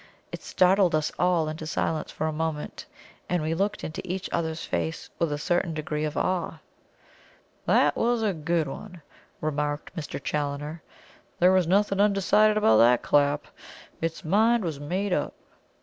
It startled us all into silence for a moment, and we looked into each other's faces with a certain degree of awe. "That was a good one," remarked Mr. Challoner. "There was nothing undecided about that clap. Its mind was made up."